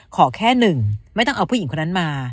ขอแค่หนึ่งไม่ต้องเอาผู้หญิงคนนั้นมา